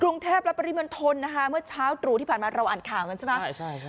กรุงเทพและปริมณฑลนะคะเมื่อเช้าตรู่ที่ผ่านมาเราอ่านข่าวกันใช่ไหม